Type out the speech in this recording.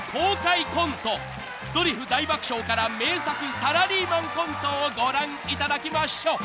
［『ドリフ大爆笑』から名作サラリーマンコントをご覧いただきましょう］